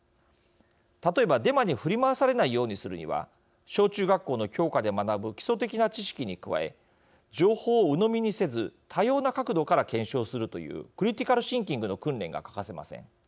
例えば、デマに振り回されないようにするには小中学校の教科で学ぶ基礎的な知識に加え情報をうのみにせず多様な角度から検証するというクリティカル・シンキングの訓練が欠かせません。